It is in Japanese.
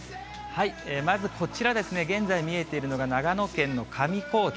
まずこちらですね、現在見えているのが長野県の上高地。